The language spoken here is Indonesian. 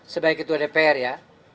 sebaik itu ada pr ya